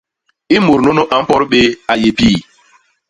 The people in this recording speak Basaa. I mut nuu a mpot bé, a yé pii.